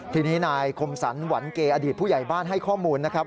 ทีนี้นายคมสรรหวันเกอดีตผู้ใหญ่บ้านให้ข้อมูลนะครับ